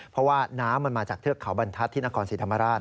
เพราะว่าน้ำมันมาจากเทือกเขาบรรทัศน์ที่นครศรีธรรมราช